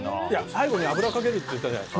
最後に油をかけるって言ってたじゃない。